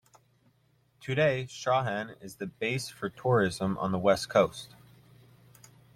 Today Strahan is the base for tourism on the west coast.